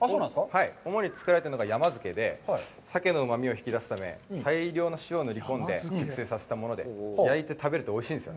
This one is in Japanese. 主に作られているのが山漬けで、鮭のうまみを引き出すため、大量の塩を塗り込んで熟成させたもので、焼いて食べるとおいしいんですよ。